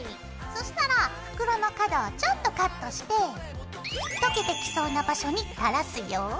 そしたら袋の角をちょっとカットして溶けてきそうな場所に垂らすよ。